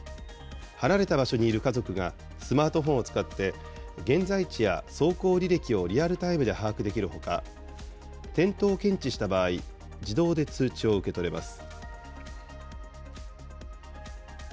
離れた場所にいる家族がスマートフォンを使って、現在地や走行履歴をリアルタイムで把握できるほか、転倒を検知した場合、自動で通知を受け取れます。